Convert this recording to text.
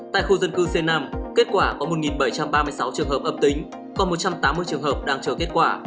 tại khu dân cư c năm kết quả có một bảy trăm ba mươi sáu trường hợp âm tính còn một trăm tám mươi trường hợp đang chờ kết quả